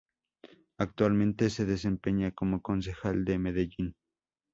Actualmente se desempeña como concejal de Medellín.